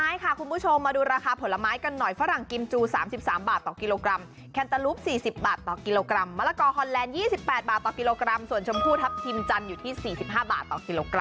เอามาดูราคาผลไม้กันหน่อยฝรั่งกิมจุ๓๓บาทต่อกิโลกรัมแคนเตอร์ลูป๔๐บาทต่อกิโลกรัมมะละกอร์ฮอนแลนด์๒๘บาทต่อกิโลกรัมส่วนชมผู้ทัพทีมจันอยู่ที่๔๕บาท